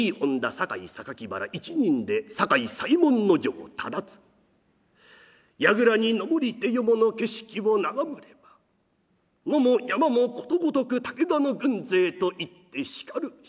酒井原一任で酒井左衛門尉忠次櫓に上りて四方の景色を眺むれば野も山もことごとく武田の軍勢と言ってしかるべし。